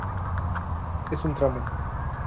Es un tramo.